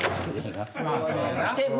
まぁそうやな。